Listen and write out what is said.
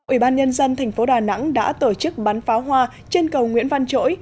ủy ban nhân dân thành phố đà nẵng đã tổ chức bán pháo hoa trên cầu nguyễn văn chỗi